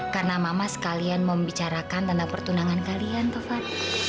karena mama sekalian mau membicarakan tentang pertunangan kalian taufan